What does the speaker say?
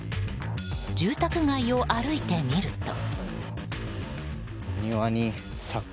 住宅街を歩いてみると。